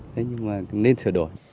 thế nhưng mà cũng nên sửa đổi